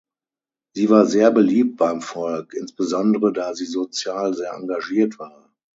Sie war sehr beliebt beim Volk, insbesondere da sie sozial sehr engagiert war.